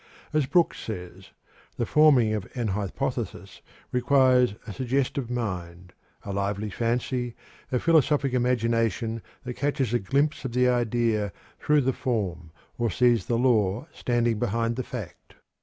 As Brooks says: "The forming of an hypothesis requires a suggestive mind, a lively fancy, a philosophic imagination that catches a glimpse of the idea through the form or sees the law standing behind the fact."